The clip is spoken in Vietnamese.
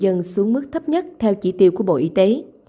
và tăng cường xuống mức thấp nhất theo chỉ tiêu của bộ y tế